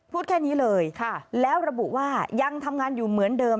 พูดแค่นี้เลยแล้วระบุว่ายังทำงานอยู่เหมือนเดิม